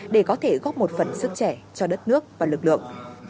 để có thể góp một phần sức trẻ cho đất nước và lực lượng